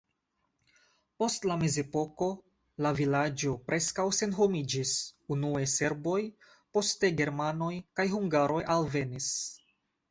Post la mezepoko la vilaĝo preskaŭ senhomiĝis, unue serboj, poste germanoj kaj hungaroj alvenis.